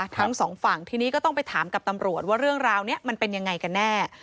ทั้งสองฝั่งทีนี้ก็ต้องไปถามกับตำรวจว่าเรื่องราวนี้มันเป็นยังไงกันแน่